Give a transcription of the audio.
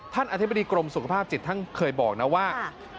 อธิบดีกรมสุขภาพจิตท่านเคยบอกนะว่า